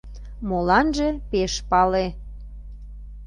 Моланже пеш пале.